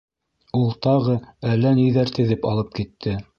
— Ул тағы әллә ниҙәр теҙеп алып китте.